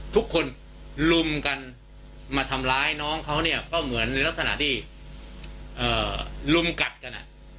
ทุกคนลุมกันมาทำร้ายน้องเขาเนี่ยก็เหมือนในลักษณะที่ลุมกัดกัน